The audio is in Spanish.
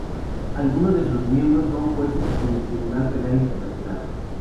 Algunos de sus miembros son jueces en el Tribunal Penal Internacional.